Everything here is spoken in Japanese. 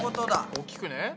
大きくね。